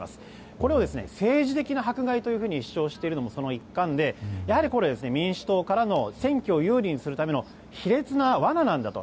これを政治的な迫害と主張しているのもその一環でこれは民主党からの選挙を有利にするための卑劣な罠なんだと。